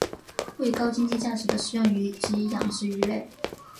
为高经济价值的食用鱼及养殖鱼类。